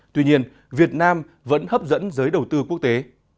tuy nhiên việt nam vẫn hấp dẫn giới đầu tư quốc tế